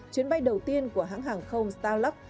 chuyến bay đầu tiên của hãng hàng không starluck